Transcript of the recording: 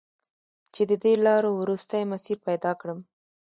چې د دې لارو، وروستی مسیر پیدا کړم